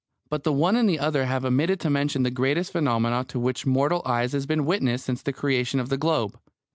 But the one and the other have omitted to mention the greatest phenomenon to which mortal eye has been witness since the creation of the globe.